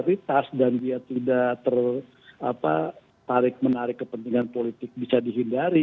realitas dan dia tidak tertarik menarik kepentingan politik bisa dihindari